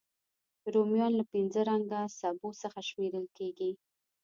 رومیان له پینځه رنګه سبو څخه شمېرل کېږي